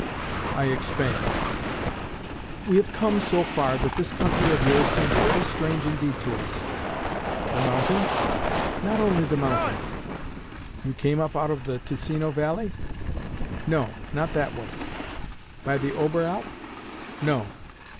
I expand. "We have come so far that this country of yours seems very strange indeed to us." "The mountains?" "Not only the mountains." "You came up out of the Ticino valley?" "No not that way." "By the Oberalp?" "No."